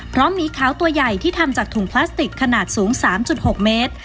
เพราะหมีขาวตัวใหญ่ที่ทำจากถุงพลาสติกขนาดสูง๓๖เมตร